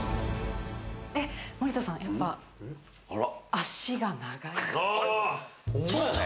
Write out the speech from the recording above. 森田さん、やっぱ足が長い。